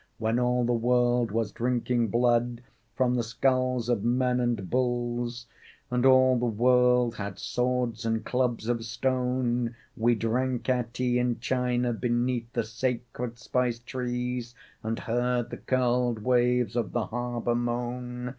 "When all the world was drinking blood From the skulls of men and bulls And all the world had swords and clubs of stone, We drank our tea in China beneath the sacred spice trees, And heard the curled waves of the harbor moan.